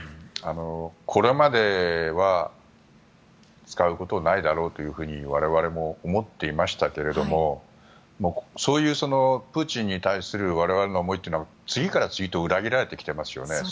これまでは使うことはないだろうと我々も思っていましたけどそういうプーチンに対する我々の思いというのは次から次へと裏切られてきていますよね。